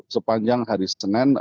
sepanjang hari senin